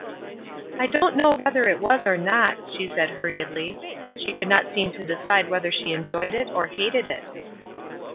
"I don't know whether it was or not," she said, hurriedly. She could not seem to decide whether she enjoyed it or hated it.